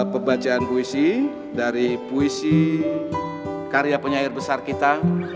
pembacaan puisi dari puisi karya penyair besar kita